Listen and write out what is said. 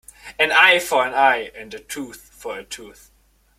An eye for an eye and a tooth for a tooth.